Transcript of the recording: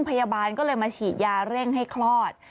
พยาบาลก็เลยมาฉีดยาเร่งให้คลอด